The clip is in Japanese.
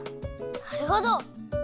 なるほど！